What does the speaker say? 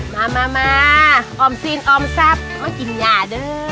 มาออมซีนออมซับมากินหย่าเด้อ